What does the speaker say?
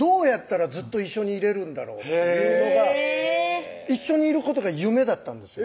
どうやったらずっと一緒にいれるんだろうっていうのが一緒にいることが夢だったんですよ